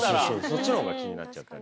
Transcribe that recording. そっちの方が気になっちゃったり。